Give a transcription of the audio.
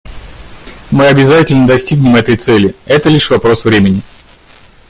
Мы обязательно достигнем этой цели; это лишь вопрос времени.